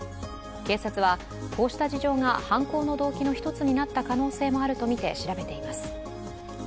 警察はこうした事情が犯行の動機の一つになった可能性もあるとみて調べています。